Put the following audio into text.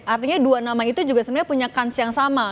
artinya dua nama itu juga sebenarnya punya kans yang sama